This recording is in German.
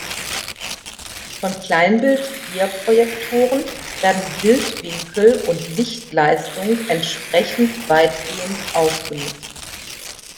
Von Kleinbild-Diaprojektoren werden Bildwinkel und Lichtleistung entsprechend weitgehend ausgenutzt.